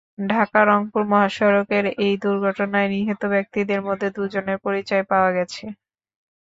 ঢাকা রংপুর মহাসড়কের এই দুর্ঘটনায় নিহত ব্যক্তিদের মধ্যে দুজনের পরিচয় পাওয়া গেছে।